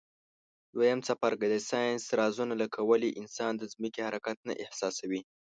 دویم څپرکی د ساینس رازونه لکه ولي انسان د ځمکي حرکت نه احساسوي.